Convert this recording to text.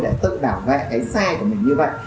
để tự bảo vệ cái xe của mình như vậy